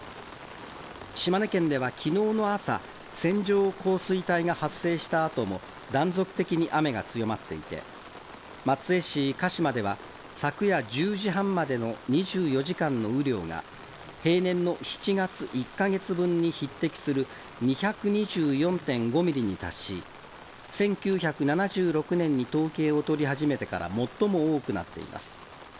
島根県では、きのうの朝、線状降水帯が発生したあとも断続的に雨が強まっていて、松江市鹿島では、昨夜１０時半までの２４時間の雨量が平年の７月１か月分に匹敵する２２４．５ミリに達し、１９７６年に統計を取り始めてから最も多くなっています。